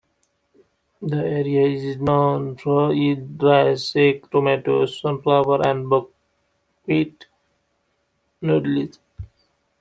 The area is known for its rice, sake, tomatoes, sunflowers, and buckwheat noodles.